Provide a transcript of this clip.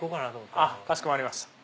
かしこまりました。